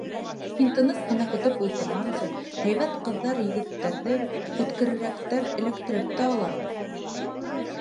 Һин тыныс ҡына көтөп ултырғансы, һәйбәт ҡыҙҙар-егеттәрҙе үткерерәктәр эләктереп тә ала.